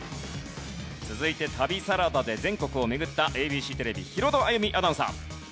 続いて『旅サラダ』で全国を巡ったＡＢＣテレビヒロド歩美アナウンサー。